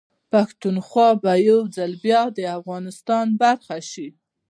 پښتونخوا به يوځل بيا ده افغانستان برخه شي